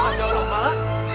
masya allah kepala